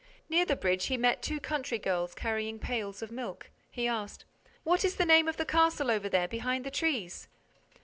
Near the bridge, he met two country girls carrying pails of milk. He asked: "What is the name of the castle over there, behind the trees?"